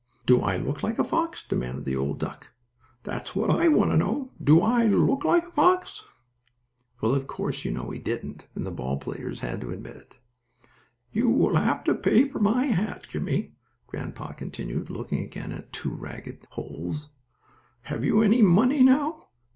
"Do I look like a fox?" demanded the old duck. "That's what I want to know. Do I look like a fox?" Well, of course, you know he didn't, and the ball players had to admit it. "You will have to pay for my hat, Jimmie," grandpa continued, looking again at two ragged holes. "Have you any money now?"